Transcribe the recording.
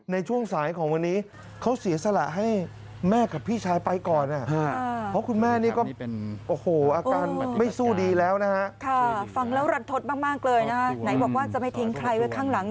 ไหนบอกว่าจะไม่ทิ้งใครไว้ข้างหลัง